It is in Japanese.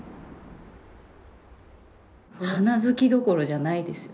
花好きどころじゃないですよ